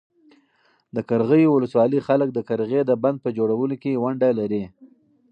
د قرغیو ولسوالۍ خلک د قرغې د بند په جوړولو کې ونډه لري.